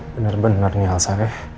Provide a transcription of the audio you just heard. bener bener nih elsa ya